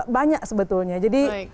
banyak sebetulnya jadi